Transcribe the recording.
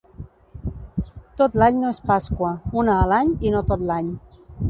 Tot l'any no és Pasqua: una a l'any i no tot l'any.